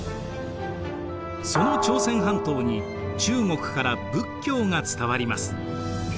その朝鮮半島に中国から仏教が伝わります。